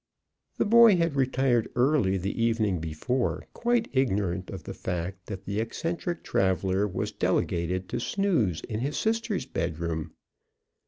_"] The boy had retired early the evening before, quite ignorant of the fact that the eccentric traveler was delegated to snooze in his sisters' bedroom.